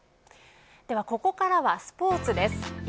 では、ここからはスポーツです。